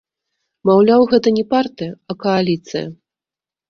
Маўляў, гэта не партыя, а кааліцыя.